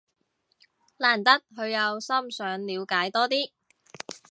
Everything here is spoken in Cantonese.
難得佢有心想了解多啲